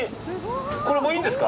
これもいいんですか？